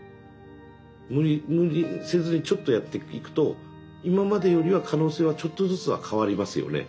無理無理せずにちょっとやっていくと今までよりは可能性はちょっとずつは変わりますよね。